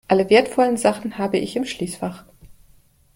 Alle wertvollen Sachen habe ich im Schließfach.